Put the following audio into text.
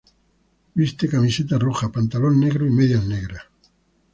Viste camiseta roja, pantalón negro y medias negras.